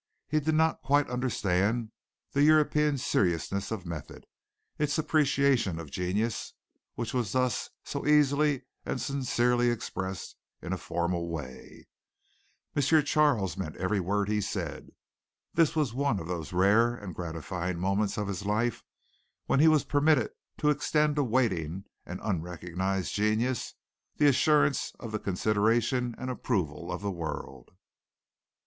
He did not quite understand the European seriousness of method, its appreciation of genius, which was thus so easily and sincerely expressed in a formal way. M. Charles meant every word he said. This was one of those rare and gratifying moments of his life when he was permitted to extend to waiting and unrecognized genius the assurance of the consideration and approval of the world.